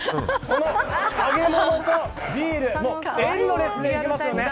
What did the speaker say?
この揚げ物とビールエンドレスでいけますよね。